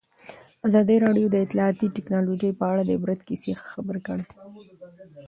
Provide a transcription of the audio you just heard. ازادي راډیو د اطلاعاتی تکنالوژي په اړه د عبرت کیسې خبر کړي.